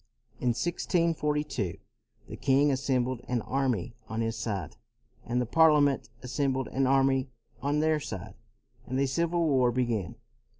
In 1642 the king assembled an army on his side, and the Parliament assem bled an army on their side, and a civil war began.